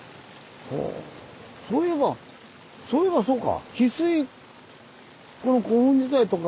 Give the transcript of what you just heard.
そういえばそういえばそうか。